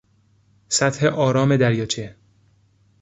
سطح آرام دریاچه